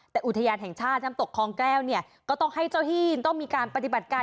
แต่อุทยานแห่งชาติน้ำตกคลองแก้วเนี่ยก็ต้องให้เจ้าที่ต้องมีการปฏิบัติการ